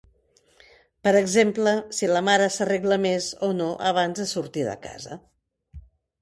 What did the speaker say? Per exemple, si la mare s'arregla més o no abans de sortir de casa.